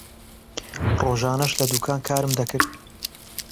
ڕۆژانەش لە دوکان کارم دەکرد.